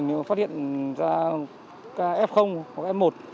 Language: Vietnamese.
nếu phát hiện ra f hoặc f một